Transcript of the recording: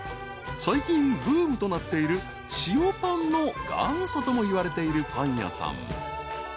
［最近ブームとなっている塩パンの元祖ともいわれているパン屋さん］